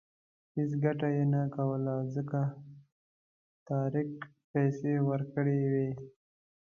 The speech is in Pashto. هېڅ ګټه یې نه کوله ځکه طارق پیسې ورکړې وې.